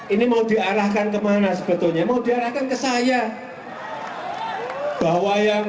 ini mau diarahkan ke mana sebetulnya mau diarahkan ke saya